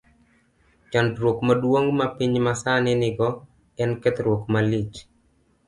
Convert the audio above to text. Chandruok maduong ' ma piny masani nigo en kethruok malich.